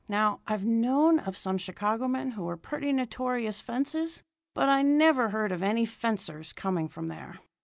Now, I've known of some Chicago men who were pretty notorious fences, but I never heard of any fencers coming from there.